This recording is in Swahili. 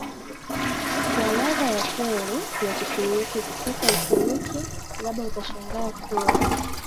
kwa ladha ya kweli ya Kituruki Kufika Uturuki labda utashangaa kuwa